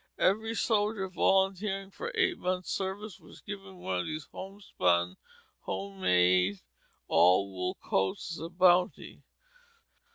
Every soldier volunteering for eight months' service was given one of these homespun, home made, all wool coats as a bounty.